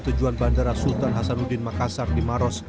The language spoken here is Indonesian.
tujuan bandara sultan hasanuddin makassar di maros